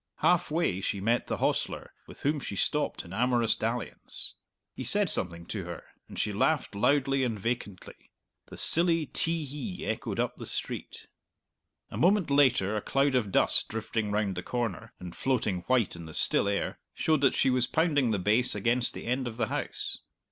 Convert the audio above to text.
Halfway she met the hostler, with whom she stopped in amorous dalliance. He said something to her, and she laughed loudly and vacantly. The silly tee hee echoed up the street. A moment later a cloud of dust drifting round the corner, and floating white in the still air, showed that she was pounding the bass against the end of the house.